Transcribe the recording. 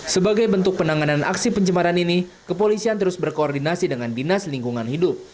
sebagai bentuk penanganan aksi pencemaran ini kepolisian terus berkoordinasi dengan dinas lingkungan hidup